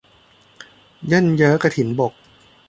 เยิ่นเย้อกฐินบก